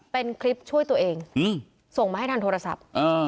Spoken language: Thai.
เป็นคลิปช่วยตัวเองส่งมาให้ทางโทรศัพท์